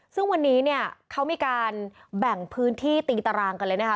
ซึ่งวันนี้เนี่ยเขามีการแบ่งพื้นที่ตีตารางกันเลยนะคะ